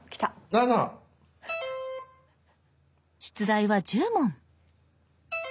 ７！出題は１０問。